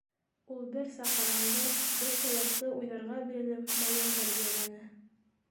Ул берсә ҡараңғы, берсә яҡты уйҙарға бирелеп малын тәрбиәләне.